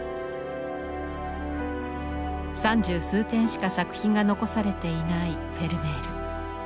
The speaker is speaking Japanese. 三十数点しか作品が残されていないフェルメール。